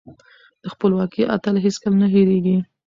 د خپلواکۍ اتل هېڅکله نه هيريږي.